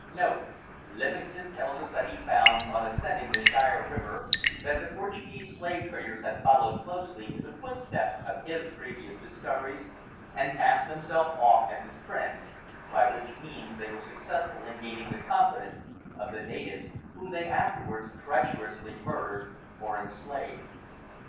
[Livingstone tells us that he found, on ascending the Shire river, that the Portuguese slave traders had followed closely in the footsteps of his previous discoveries, and passed themselves off as his friends, by which means they were successful in gaining the confidence of the natives whom they afterwards treacherously murdered or enslaved.